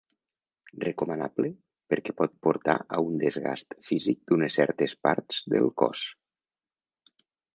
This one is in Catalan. Recomanable perquè pot portar a un desgast físic d'unes certes parts del cos.